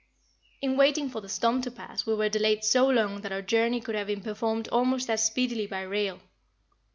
In waiting for the storm to pass we were delayed so long that our journey could have been performed almost as speedily by rail.